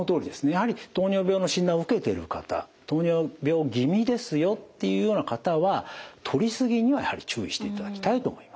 やはり糖尿病の診断を受けてる方糖尿病気味ですよっていうような方はとり過ぎにはやはり注意していただきたいと思います。